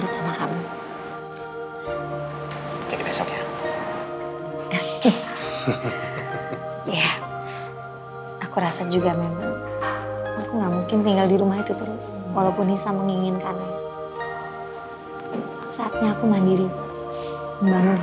sampai jumpa di video selanjutnya